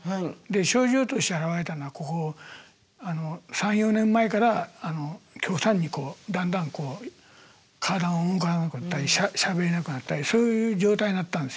で症状として現れたのはここ３４年前から極端にだんだん体が動かなくなったりしゃべれなくなったりそういう状態になったんですよ。